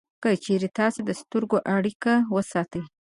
که چېرې تاسې د سترګو اړیکه وساتئ